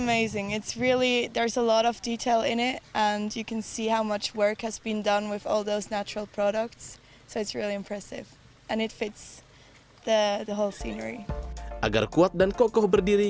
agar kuat dan kokoh berdiri